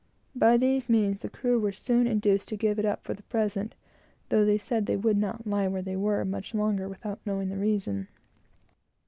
By these means, they were soon induced to give it up, for the present, though they said they would not lie where they were much longer without knowing the reason.